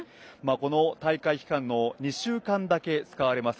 この大会期間の２週間だけ使われます